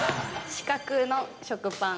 ◆四角の食パン？